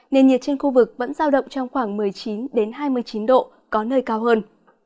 nền nhiệt trên khu vực vẫn giao động trong khoảng một mươi chín hai mươi chín độ có nơi cao hơn